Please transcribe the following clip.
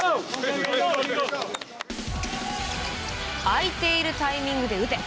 空いているタイミングで打て。